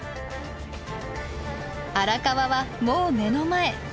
荒川はもう目の前。